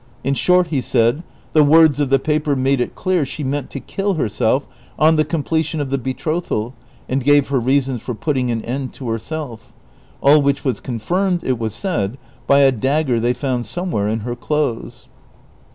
In short, he said, the words of the paper made it clear she meant to kill herself on tlie completion of the betrothal, and gave her reasons for putting an end to herselt; all which was confirmed, it was said, by a dagger they found somewhere in her clothes.